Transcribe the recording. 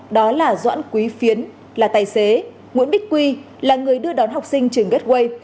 đó là doãn quý phiến là tài xế nguyễn bích quy là người đưa đón học sinh trường gateway